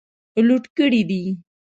لوټ کړي دي.